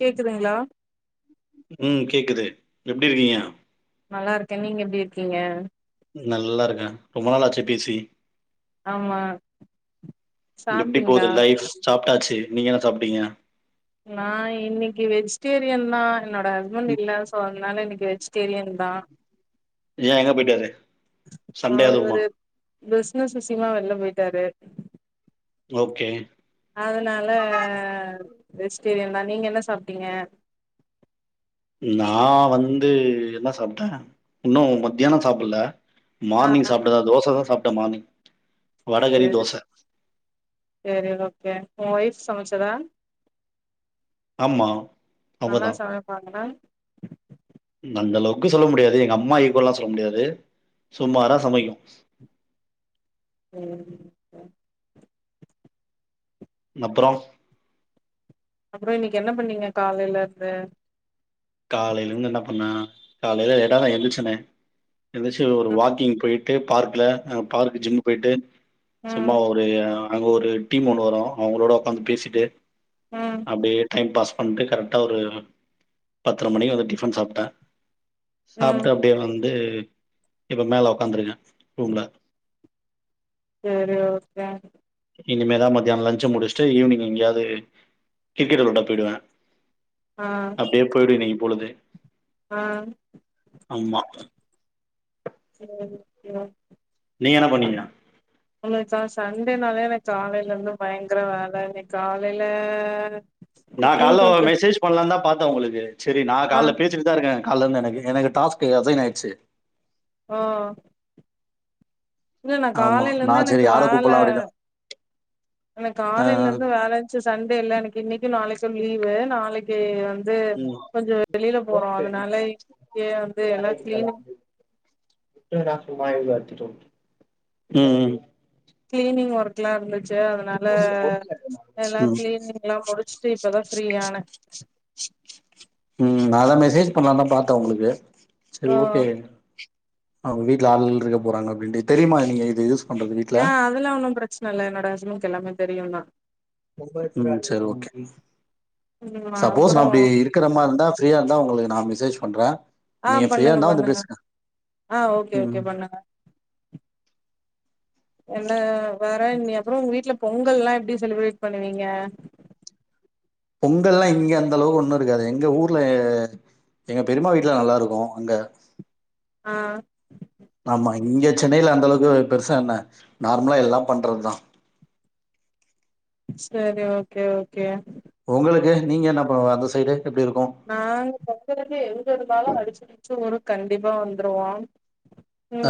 கேக்குதுங்களா ம் கேக்குது எப்டி இருக்கீங்க நல்லா இருக்கே நீங்க எப்டி இருக்கீங்க நல்லா இருக்க ரொம்ப நாள் ஆச்சு பேசி ஆமா எப்டி சாப்ட்டீங்களா போது லைஃப் சாப்ட்டாச்சு நீங்க என்ன சாப்ட்டீங்க நா இன்னிக்கு வெஜிடேரியன் தா என்னோட ஹஸ்பண்ட் இல்ல சோ அதனால இன்னிக்கு வெஜ் டேரியந்தா ஏ எங்க போயிட்டரு சண்டே அதுவுமா அவரு பிசினஸ் விஷியமா வெளில போயிட்டாரு ஓகே அதனால வெஜிடேரியன் தா நீங்கள் என்ன சாப்பிட்டீங்க நா வந்து என்ன சாப்பிட்டே இன்னு மத்தியானம் சாப்பிடல ஆ மார்னிங் சாப்பிட்டதா தோசதா சாப்பிட்ட மார்னிங் வடகறி செரி தோச செரி ஓகே உங்க ஒய்ஃப் சமச்சதா ஆமா நல்லா அவங்கதா சமைப்பாங்களா அந்த அளவுக்குன்னு சொல்ல முடியாது எங்க அம்மா ஈக்வல் எல்லா சொல்ல முடியாது சும்மாரா சமைக்கு ம் அப்புறோ அப்புறோ இன்னைக்கு என்ன பண்ணிங்க காலையில இருந்து காலையில இருந்து என்ன பண்ண காலையில லேட்டா தா எந்திரசனே எந்திரச்சு ஒரு ம் வாக்கிங் போயி ட்டு பார்க்ல பார்க் ஜிம் போயிட்டு சும்மா ம் ஒரு அங்க ஒரு டீம் ஒன்னு வரு அவங்களோட உக்காந்து பேசிட்டு ம் அப்டியே டைம் பாஸ் பண்ணிட்டு கரெக்டா ஒரு பத்தர மணிக்கு வந்து டிபன் சாப்பிட்டேன் ம் சாப்ட்டு அப்டியே வந்து இப்ப மேல உக்காந்துருங்கே ரூம்ல செரி ஓகே இனிமேதா மத்தியான லஞ்ச முடிச்சுட்டு ஈவினிங் எங்கேயாவது கிரிக்கெட் விளையாட போயிடுவே அ போயிடு இன்னைக்கு பொழுது அ அம்மா ம் நீங்க என்ன பண்ணீங்க எங்களுக்கா சண்டேனாலே எனக்கு காலையில இருந்து பயங்கர வேல இன்னைக்கு காலையில நா குக்கிங் காலைல்ல கொஞ்சோ மெசேஜ் பண்ணலா தா பாத்தேன் உங்களுக்கு சேரி நா ஆ காலைல்ல பேச்சியிருந் துதா இருக்கே காலைல இருந்து எனக்கு எனக்கு டாஸ்க் அசைன் ஆயிருச்சு ஓ இல்ல நா ஆமா. காலையில இருந்தே நான் சரி எனக்கு யார வேல கூப்படலாம் அப்படின்னு. எனக்கு ஆ. காலையில இருந்து வேல இருந்துச்சு சண்டே இல்ல எனக்கு இன்னைக்கு நாளைக்கு லீவு நாளைக் கு வந்து ம். கொஞ்சோ வெளியில போறோ அதனால இன்னைக்கே வந்து எல்லா கிளீனிங் [unintelligible] ம் ம் கிளீனிங் ஒர்க்ல்லா இருந்துச்சு அத னால எல்லா ம். கிளீனிங் எல்லா முடிச்சுட்டு இப்பதா ஃப்ரீயானே ம் ம் அதா மெசேஜ் பண்ணலா தா பாத்தே உங்களுக்கு ஓ சரி ஓகே அவுங்க வீட்ல ஆளு ‌கீளு இருக்க போறாங்க அப்டின்ட்டு தெரியுமா உங்ளுக்கு இது யூஸ் பண்றது வீட்ல ஆ அதுல்லா ஒன்னும் பிரச்சன இல்ல என்னோட ஹஸ்பண்ட்க்கு எல்லாமே தெரியும் தா ம் சரி ஓகே ம் சப்போஸ் நா அப்றோ அப்டி இருக்க மார்ருந்தா ஃப்ரீயா இருந்தா உங்களுக்கு நா மெசேஜ் பண்ற ஆ நீங்க ஃப்ரீயா பண்ணுங்க இருந்தா வந்து பண்ணுங்க பேசுங்க ஆ ஓகே ம் ஓகே பண்ணுங்க என்ன வேற வேற இன் அப்புறோ உங்க வீட்ல பொங்கல்லா எப்டி செலிப்ரேட் பண்ணுவீங்க பொங்கல்லா இங்க அந்த அளவுக்கு ஒண்ணும் இருக்காது எங்க ஊர்ல எங்க பெரிம்மா வீட்ல நல்லாயிருக்கும் அங்க ஆ ஆமா இங்க சென்னையில அந்தளவுக்கு பெருசா என்ன நார்மலா எல்லாம் பண்றதுதா சரி ஓகே ஓகே உங்களுக்கு நீங்க என்ன பண்ணுவ அந்த சைடு எப்டி இருக்கும் நாங்க பக்கத்துக்கு எங்க இருந்தாலும் அடிச்சுபுடிச்சு வரு கண்டிப்பா வந்துருவோம்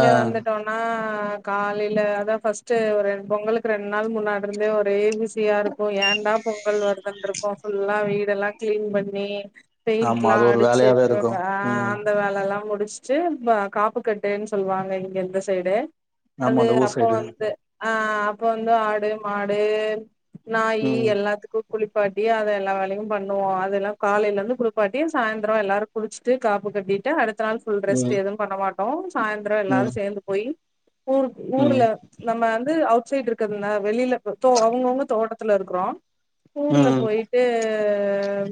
ஆ வந்துட்டோம்னா நா காலையில அதா ஃபர்ஸ்ட்டு ரெண் பொங்கலுக்கு ரெண் நாள் முன்னாடிருந்தே ஒரே பிஸியா இருக்கும் ஏன்டா பொங்கல் வருதுன்னு இருக்கும் ஃபுல்லா வீடெல்லா கிளீன் பண்ணி ஆமா பெயிண்ட்லா அது ஒரு வேலையாவே அடிச்சுட்டு இருக்கு ஆ ம் அந்த வேலல்லா முடிஷ்ச் சு இந்த காப்பு கட்டுன் சொல்லுவாங்க இங்க இந்த சைடு ஆமா அது அந்த ஊர் அப்ப சைடு வந்து ஆ அப்ப வந்து ஆடு மாடு நாய்யி ம் எல்லாத்துக்கு குளிப்பாட்டி அத எல்லா வேலயு பண்ணுவோ அதெல்லா காலையிலந்து குளிப்பாட்டி சாய்ந்திரம் எல்லாரும் குளிச்சுட்டு காப்பு கட்டிட்டு அடுத்த நாள் ஃபுல் ரெஸ்ட் ம் எதுவும் பண்ணமாட்டோம் சாய்ந் த்ரோ ம் எல்லாரும் சேந்து போய்யி ஊர் ஊர்ல ம் நம்ம வந்து அவுட் சைட்ருக் கொஞ்ச நேர் வெளியில போயிட்டு அவங்கவுங்க தோட்டத்துல இருக்றோ ஊர்ல ம் போயிட்டு ஆ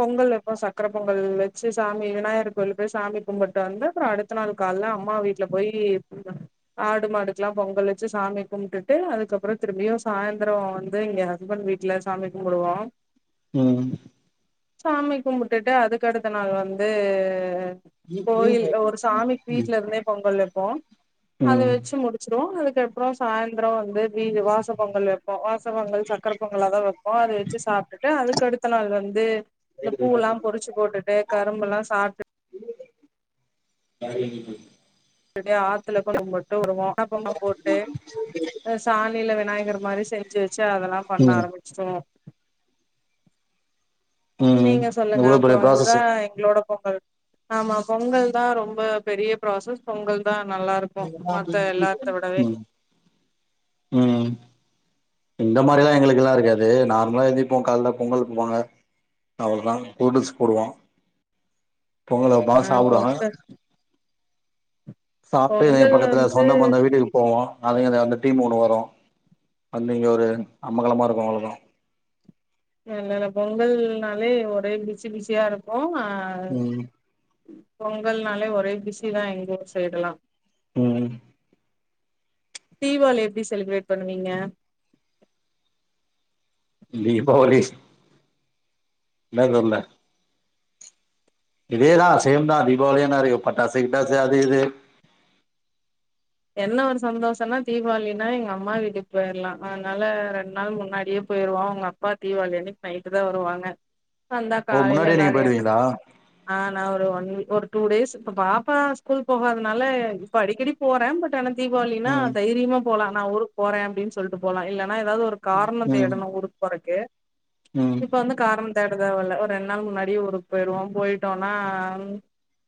பொங்கல் வெப் அப்றோ சக்கர பொங்கல் வச்சு சாமி விநாயகர் கோவில் போய் சாமி கும்பிட்டு வந்து அப்புறம் அடுத்த நாள் கால்ல அம்மா வீட்ல போய் கும்டுவாங்க ஆடு மாடுக்லா பொங்கல் வச்சு சாமி கும்ட்டுட்டு அதுக்கப்புறம் திரும்பியும் சாய்ந்த்ரம் வந்து எங்க ஹஸ்பண்ட் வீட் வீட்ல சாமி கும்பிடுவோ ம் சாமி கும்பிட்டுட்டு அதுக்கு அடுத்த நாள் வந்து கோயில் ஒரு சாமிக் ம் வீட்லருந்தே பொங்கல் வெப்போ அத ம் வெச்சு முடிச் சுடுவோ அதுக்கப்றம் சாய்ந்திரம் வந்து வீவு வாச பொங்கல் வெப்போ வாஸ் பொங்கல் சக்கர பொங்காலா தா வெப்போ அத வெச்சு சாப்ட்டுட்டு அதுக்கு அடுத்த நாள் வந்து இந்த பூல்லா பொறிச்சு போட்டுட்டு கரும்பெல்லா சாப்ட்டு பழய இது அப்டியா ஆத்துல கோலம் போட்டு வருவோம் மா கோலம் போட்டு சாணியில விநாயகர் மாரி செஞ்சு வச்சு அதெல்லாம் பண்ண ஆரம்பிச் ச்சிடுவோ ம் நீங்க சொல்லுங்க இவ்ளோ பெரிய அப்பறம் ப்ராசஸு இதுதா எங்ளோட பொங்கல் ஆமா பொங்கல் தா ரொம்ப பெரிய ப்ராசஸ் பொங்கல் தா நல்லாருக் கு மத்த எல்லாத்த விடவே ம் ம் இந்த மாரில்லா எங்களுக்குல்லா இருக்காது நார்மலா எந்திப்போ கால்ல பொங்கல் புவாங்க அவ்ளதா புது ட்ரெஸ் போடுவோம் பொங்கல் வெப்பாங் ஆ சாப்டுவாங்க பொங்கல் சாப்ட்டு எ பொங்கல் பக்கத்துல வந்து சொந்த பந்த வீட்டுக்கு போவோ அதுங்க வந்து டீம் ஒன்று வரு வந்து இங்க ஒரு அம்மகலமாக இருக்கு அவ்ளோதா இல் இல பொங்கல்னாலே ஒரே பிஸி பிஸியா இருக்கு அ ம் பொங்கல்னாலே ஒரே பிஸி தா எங்க ஊர் சைடு ல்லா ம் தீவாளி எப்டி செலிப்பிரேட் பண்ணுவீங்க தீபாவளி ஸ் என்ன சொல்ல இதே தா சேம் தா தீபாவளி என்ன இருக்கு பட்டாசு கிட்டாசு அது இது என்ன ஒரு சந்தோஷனா தீவாளினா எங்க அம்மா வீட்டுக்கு போயிடலா அதனால ரெண்டு நாள் முன்னாடியே போயிருவோ உங்க அப் பா தீவாளி அன்னைக்கி நைட்டு தா வருவாங்க வந்தா ஓ காலைல முன்னாடியே நீங்க எல்லாரு என்ன போயிடுவீங்களா ஆ நா ஒரு ஒன் ஒரு டூ டேஸ் இப்ப பாப்பா ஸ்கூல் போகாததுனால இப்ப அடிக்கடி போ வே பட் ஆனா தீபாவளினா ம் தைரியமா போலா நா ஊருக்கு போறே அப்டின்னு சொல்ட்டு போலா இல்லன்னா ஏதாவது ஒரு காரண ம் தேடணு ஊருக்கு போறக்கு ம் இப்ப வந்து காரணம் தேட தேவ இல்ல ஒரு ரெண்டு நாள் முன்னாடியே ஊருக்கு போய்ருவோ போயிட்டோனா ம்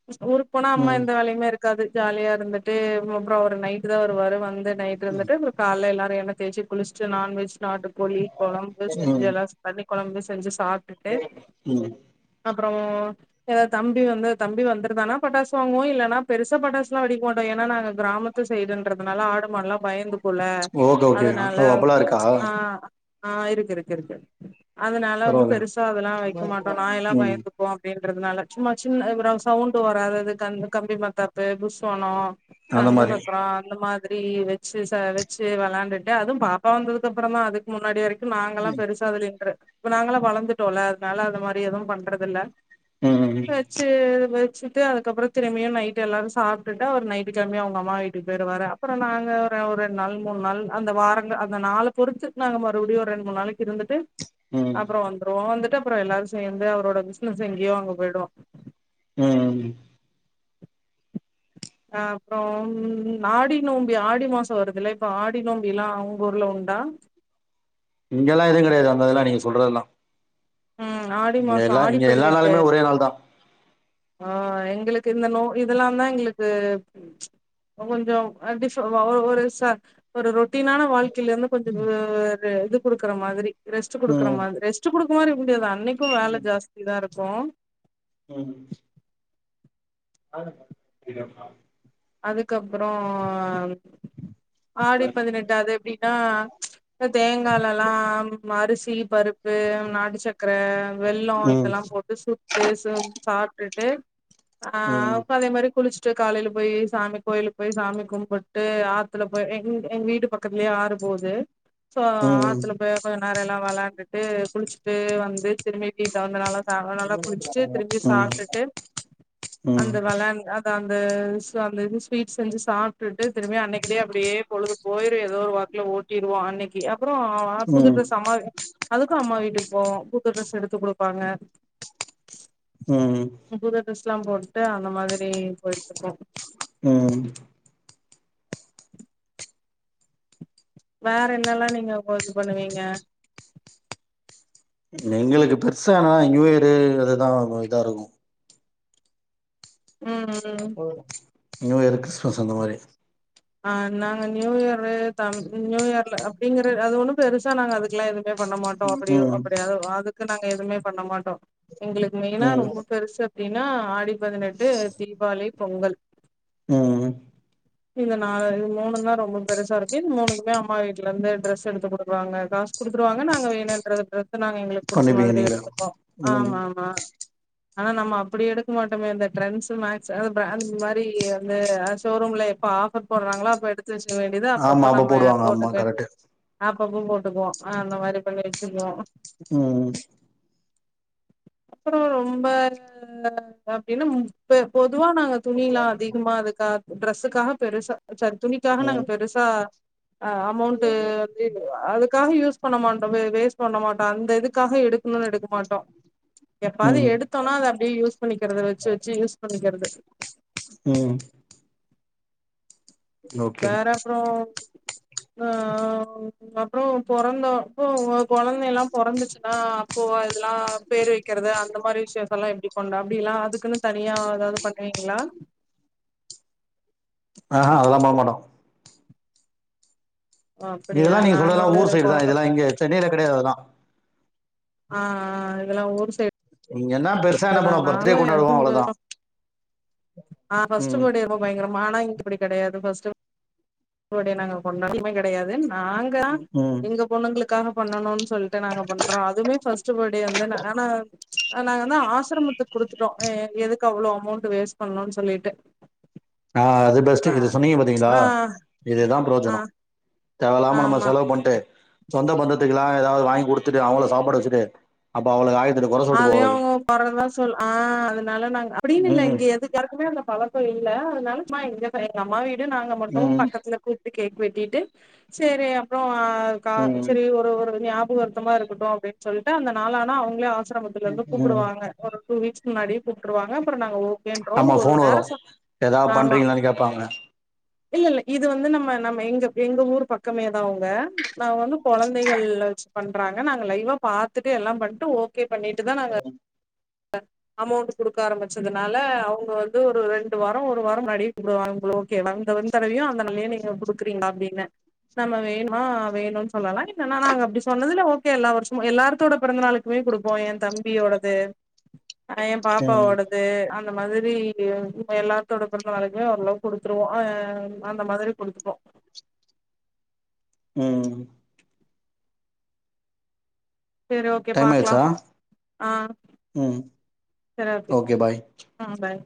மிஸ் ஊருக்கு போனா அம்மா ம் எந்த வேலையுமே இருக்காது ஜாலியா இருந்துட்டு ம் அப்பறோ அவர் நைட் தா வருவாரு வந்து நைட் டு வந்துட்டு இ கால்ல எல்லாரு எண்ண தேய்ச்சு குளிச்சிட்டு நான்வெஜ் நாட்டுக்கோழி கொழம்பு செஞ்சு எல்லாரு தண்ணி கொழம்பு செஞ்சு சாட் டே ம் அப்பறோ ஏதாவது தம்பி வந்து தம்பி வந்துருதான்னா பட்டாசு வாங்குவோ இல்லனா பெருசா பட்டாசுல்லா வெடிக்க மாட்டோ ஏனா நாங்க கிராமத்து சைடுன்றதுனால ஆடு மாடல்லா பயந்து வுல ஓகே ஓகே அதனால ஓ அப்பல்லா இருக்கா ஆ ஆ இருக்கு இருக்கு இருக்கு அதனால வந்து பரவால்ல பெருசா அதெல்லா வக்க மாட்டோ நாய் எல்லா ம் பயந்துக் கு அப்டின்றதுனால சும்மா சின்ன அதே பிரா சவுண்டு வராதது கம் கம்பி மாத்தாப்பு புஸ்வானோ அந்த சங்கு மாரி சக்கரோ அந்த மாதிரி வச் சீச வச்சு வெளாண்டுட்டு அதுவு பாப்பா வந்ததுக்கு அப்பற தா அதுக் கு முன்னாடி வரைக்கு நாங்களா பெருசா வெலின்ற இப்ப நாங்க எல்லா வளந்துட்டோல அதனால அது மாறி எதுவு பண்றது இல்ல ம் ம் அ சே டு வச்சுட்டு அதுக்கப்பறோ திரும்பியு நைட் எல்லாரு சாப்டுட்டு அவர் நைட் கம்மா அவங்க அம்மா வீட்டுக்கு போயிருவாரு அப்பறம் நாங்க ரெண்டு நாள் மூணு நாள் அந்த வாரங்க அந்த நாலு பொறுத்து நாங்க மறுபடியு ஒரு ரெண்டு மூணு நாளைக்கு இருந்துட்டு ம் ம் அப்றோ வந்துரு வந்துட்டு அப்பறோ எல்லாரு சேந்து அவரோட பிசினஸ் எங்கேயோ அங்க போயிடுவோ ம் ஆ அப்றோ ம் ஆடி நோம்பி ஆடி மாசோ வருதுல இப்போ ஆடி நோம்பி எல்லா உங்க ஊர்ல உண்டா இங்கெல்லா எது கெடையாது அந்தெல்லா நீங்க சொல்றதெல்லா ம் ஆடி இங்க மாசோ எல்லா ஆடி இங்க எல்லா பதினெட்டு நாளுமே ஒரே நாள் தா ஆ எங்களுக்கு இந்த நோ இதெல்லா தா எங்களுக்கு கொஞ்சோ அ டிஃப வ ஒரு ச ஒரு ரொட்டீனான வாழ்க் கைலேந்து கொஞ்சோ வ ஒரு இது குடுக்குற மாதிரி ரெஸ்ட் குடுக்குற ம் மாதிரி ரெஸ்ட் குடுக்க மாறி முடியதா இன்னைக்கு வேல ஜாஸ்தி தா ருக்கு ம் [unintelligible] அதுக்கப்றோ ஆடி பதினெட்டு அது எப்டின்னா தேங்காலல்லா அரிசி பருப்பு நாட்டு சக் கர வெள்ளோ ம் இதெல்லா போட்டு சுட்டு சாப்டுட்டு ஆ ம் அப்ழ அதே மாறி குளிச்சுட்டு காலையில போயி சாமி கோயிலுக்கு போய் சாமி கும்பிட்டு ஆத்துல போய் எ எங்க வீட்டு பக்கத்துலயே ஆறு போது சோ ம் ம் ஆத்துல போய் கொஞ்சோ நேரோ எல்லா வெளாண்டுட்டு குளிச்சு ட்டு வந்து திரும்பிட்டு வந்தனால நல்லா குடிச்சுட்டு திரும்பி சாப்டுட்டு அந்த வெளா அந்த அந்த ஸ்வீட்ஸ் செஞ்சு சாப்ட்டு திரும்ப அன்னைக்கு டே அப்டியே பொழுது பொயிரு ஏதோ ஒரு வாக்குல ஓட்டிடுவோ அன்னைக்கு அப்றோ புது ம் ம் டிரெஸ் அம்மா அதுக்கு அம்மா வீட்டுக்கு போவோ புது ட்ரெஸ் எடுத்து குடுப்பாங்க ம் புது டிரெஸ்ல்லா போட்டு அந்த மாதிரி பொயிட்டுப்போ ம் வேற என்னல்லா நீங்க இது பண்ணுவீங்க எங்ளுக்கு பெருசா ஆனா நியூ இயரு அதுதா இதா இருக்கு ம் ம் நியூ இயர் கிறிஸ்மஸ் அந்த மாரி அ நாங்க நியூஇயர் த நியூ இயர்ல அப்டிங்ற அது ஒண்ணு பெருசா நாங்க அதுக்கெல்லா நா எதுமே பண்ண மாட்டோ அப்டிய ம் அப்டியாது அதுக்கு நாங்க எதுமே பண்ண மாட்டோ எங்ளுக் மெயினா ம் ரொம்ப பெருசு அப்டின்னா ஆடி பதினெட்டு தீபாவளி பொங்கல் ம் ம் இந்த நால இது மூணு தா ரொம்ப பெருசா இருக்கு இந்த மூனுக்குமே அம்மா வீட்ல இருந்து டிரெஸ் எடுத்து குடுக்குவாங்க கா சு குடுத்துருவாங்க நாங்க வேணுன்ற நாங்க எங்ளுக்கு புடிச்ச பண்ணிப்பீங்க மாதிரி நீங்களே எடுத்துப்போ ம் ஆமா ஆமா ஆனா நம்ம அப்டி எடுக்க மாட்டமே அந்த டரெண்ட்ஸ் மேக்ஸ் அந்த மாறி வந்து ஷோரூம்ல எப்ப ஆஃபர் போடுறாங்ளோ அப்ப எடுத்து வச்சுக்க வேண்டியது ஆமா அப்ப்ப அப்ப நம்ம போடுவாங்க ஆமா போட்டுக்க வேண் கரெக்ட்டு அப்பப்ப போட்டுக்குவோ அந்த மாறி பண்ணி வச்சிக்குவோ ம் அப்றோ ரொம்ப அப்டின்னா பொதுவா நாங்க துணில்லா அதிகமா அதுக்காக டரெஸ்க்காக பெருசா சாரி துணிக்காக நாங்க ம் பெருசா சா அமௌண்ட்டு அதுக்காக யூஸ் பண்ண மாட்டோ வே வேஸ்ட் பண்ண மாட்டோ அந்த இதுக்காக எடுக்கணுனு எடுக்க மாட்டோ எப்பயாது ம் எடுத்தோனா அத அப்படியே யூஸ் பண்ணிக்கிறது வச்சு வச்சு யூஸ் பண்ணிக்கிறது ம் ஓகே வேற அப்றோ அ அப்றோ பொறந்தப்போ குழந்தை எல்லா பொறந்துச்சுன்னா அப்போ இதெல்லா பேர் வைக்கிறது அந்த மாதிரி விஷ்யோ அதெல்லா எப்டி கொண்டா அப்டில்லா அதுக்குன்னு தனியா ஏதாவ்து பண்ணுவீங்ளா ஆ அதல்லா பண்ண மாட்டோ ஓ அப்டியா இதெல்லா நீங்க நாங்க சொல்றதுலா வந்து ஊர் சைடு தா கொழந்த இதெல்லா இங்க சென்னையில கெடையாது அதுல்லா அ அ இதெல்லா ஊர் சைடு இங்க என்ன பெரு [unintelligible] நா ஃபஸ்ட்டு ம் பேர்டே அப்போ பயங்ரமான ஆனா இப்டி கெடையாது ஃபஸ்ட்டு நாங்க கொண்டாடுனதுமே கெடையாது நாங்க தா ம் எங்க பொண்ணுங்களுக்காக பண்ணணு சொ சொல்ட்டு நாங்க பண்றோ அதுவ்மே ஃபஸ்ட் பேர்டோ வந்து ஆனா நா வந்து ஆசிரமத்துக்கு குடுத்துட்டோ எ எதுக்கு அவ்ளோ அமௌண்ட் வேஸ்ட் பண்ணணுன் சொல்லிட்டு ஆ அது பெஸ்ட் ஆ இது சொன்னீங்க பாத்தீங்களா ஆ இதுதா ஆ புரோஜனோ தேவெல்லாம நம்ம ஆமா செலவு பண்ட்டு சொந்த பந்தத்துக்குல்லா எதாவ்து வாங்கி குடுத்துட்டு அவங்கள சாப்பாட வச்சுட்டு அப்ப அவளுக ஆய்ரத்தெட்டு கொற சொல்ட்டு அதையு போவாளுக அவங்க கொறதா சொல்லுவா ஆ அதனால நாங்க அப்டின்னு இல் ம் இங்க எதுக் யாருக்குமே அந்த பழக்கோ இல்ல அதனால சும்மா எங்க எங்க அம்மா வீடு நாங்க மட்டு ம் பக்கத்துல கூப்ட்டு கேக் வெட்டிட்டு செரி அப்பறோ க ம் சரி ஒரு ஒரு நியாபகார் த்தமா இருக்கட்டு அப்டின்னு சொல்ட்டு அந்த நாளானா அவங்களே ஆசிரமத்துலருந்து ம் கூப்புடுவாங்க ஒரு டூ வீக்ஸ் முன்னாடியே கூப்ட்டுருவாங்க அப்பறோ நாங்க ஒ ஆமா ஃபோன் வரு எதா பண்றீங்களான்னு கேப்பாங்க இல்லல்ல இது வந்து நம்ம நம்ம எங்க எங்க ஊர் பக்கமேதா அவங்க நாங்க வந்து கொழந்தைகள்ள வச் பண்றாங்க நாங்க லைவா பாத்துட்டு எல்லாம் பண்ட்டு ஓகே பண்ணிட்டுதா நாங்க [inaudible] அமௌண்ட் குடுக்க ஆரம்பிச்சதுனால அவங்க வந்து ஒரு ரெண்டு வாரோ ஒரு வாரோ முன்னாடியே கூப்டுவாங்க ப்ரோ கே வந்த வந் தடவயு அந்த நாள்லே நீங்க குடுக்குறீங்களா அப்டின்னு நம்ம வேணுமா வேணுன் சொல்லலா இல்லனா நாங்க அப்டி சொன்னதுல்ல ஓகே எல்லா வருஷமு எல்லார்த்தோட பெறந்தநாளுக்குமே குடு க்வோ எ தம்பியோடது அ எ ம் பாப்பாவோடது அந் அந்த மாதிரி எல்லாத்தோட பெறந்த நாளைக்குமே ஓரளவு குடுத்துடுவோ அ அந்த மாதிரி குடுத்துப்போ ம் செரி ஓகே டைம் பாக்கலா ஆயிடுச்சா ஆ ம் செரி ஓகே ஆ பாய்